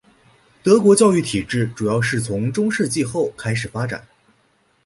德国教育体制主要是从中世纪后开始发展。